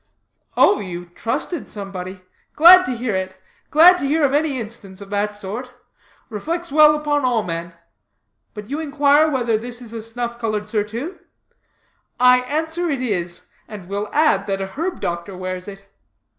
"Oh, you have trusted somebody? Glad to hear it. Glad to hear of any instance, of that sort. Reflects well upon all men. But you inquire whether this is a snuff colored surtout. I answer it is; and will add that a herb doctor wears it."